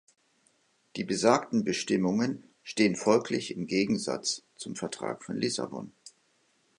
Die besagten Bestimmungen stehen folglich im Gegensatz zum Vertrag von Lissabon.